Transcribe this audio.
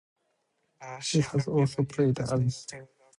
He has also played as a defensive midfielder on occasion.